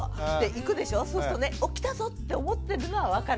行くでしょそうするとねお来たぞって思ってるのは分かるのよ。